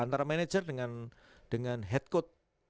antara manajer dengan head code